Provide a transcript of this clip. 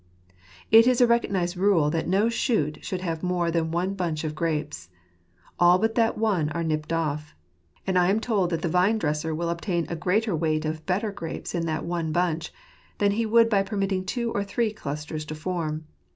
It is a recognized rule that no shoot should have more than one bunch of grapes. All but that one are nipped off. And I am told that the vine dresser will obtain a greater weight of better grapes in that one bunch, than he would by permitting two or three clusters to form.